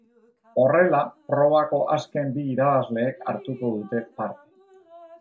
Horrela, probako azken bi irabazleek hartuko dute parte.